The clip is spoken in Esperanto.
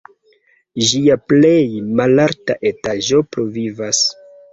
Ĝia plej malalta etaĝo pluvivas.